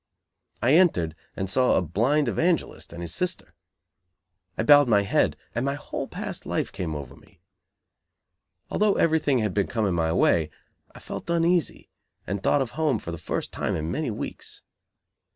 I entered, and saw a blind evangelist and his sister. I bowed my head, and my whole past life came over me. Although everything had been coming my way, I felt uneasy, and thought of home for the first time in many weeks.